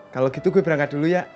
kalau gitu gue berangkat dulu ya